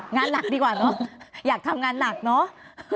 งานหนักดีกว่าเนอะอยากทำงานหนักเนอะ